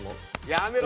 やめろ！